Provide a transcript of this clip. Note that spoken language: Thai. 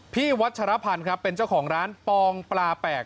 พี่วัชยภัณฑ์เป็นเจ้าของร้านปองปลาแปลก